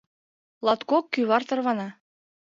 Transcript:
Латкок кӱвар тарвана.